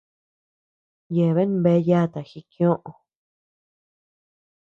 Yeabean bea yata jikioʼö.